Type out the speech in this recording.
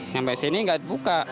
sampai sini gak buka